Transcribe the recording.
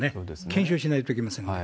検証しないといけません。